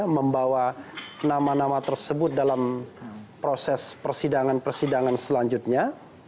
membawa nama nama tersebut dalam proses persidangan persidangan selanjutnya